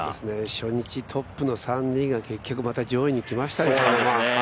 初日トップの３人が、結局また上位にきましたね。